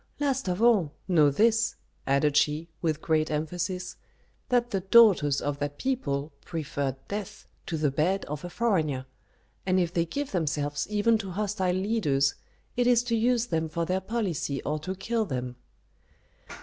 Last of all, know this," added she, with great emphasis, "that the daughters of that people prefer death to the bed of a foreigner. And if they give themselves even to hostile leaders, it is to use them for their policy or to kill them."